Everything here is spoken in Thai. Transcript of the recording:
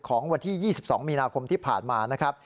ของวันที่๒๒มีนาคมที่ผ่านมา